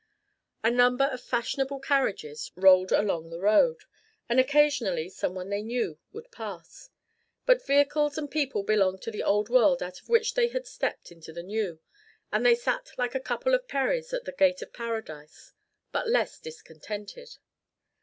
A number of fashionable carriages rolled along the road, and occasionally someone they knew would pass. But vehicles and people belonged to the old world out of which they had stepped into the new, and they sat like a couple of Peris at the gate of Paradise, but less discontented.